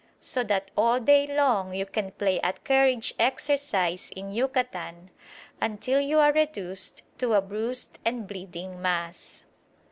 So that all day long you can play at carriage exercise in Yucatan until you are reduced to a bruised and bleeding mass.